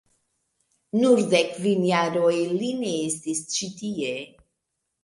Nur de kvin jaroj li ne estis ĉi tie.